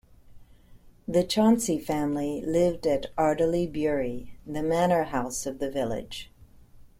The Chauncy family lived at Ardeley Bury, the manor house of the village.